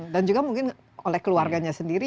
dan juga mungkin oleh keluarganya sendiri